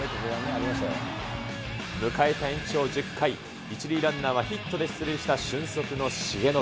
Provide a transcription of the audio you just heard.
迎えた延長１０回、１塁ランナーはヒットで出塁した俊足の重信。